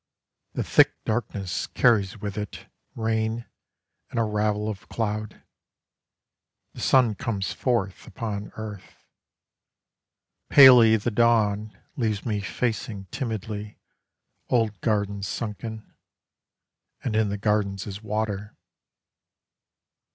The thick darkness carries with it Rain and a ravel of cloud. The sun comes forth upon earth. Palely the dawn Leaves me facing timidly Old gardens sunken: And in the gardens is water.